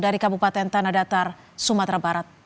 dari kabupaten tanah datar sumatera barat